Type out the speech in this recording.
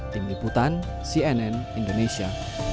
tim liputan cnn indonesia